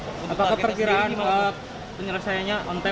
apakah terkira penyelesaiannya on time